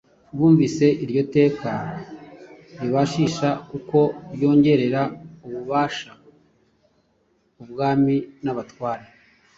bumvise Iryo teka ribashisha kuko ryongerera ububasha umwami n'abatware,